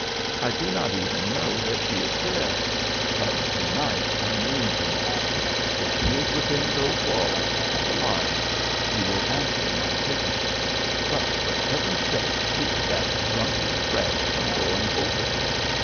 I do not even know that she is there, but to night I mean to know. If she is within those walls and alive she will answer my signal. But for heaven's sake keep that drunken wretch from going over there.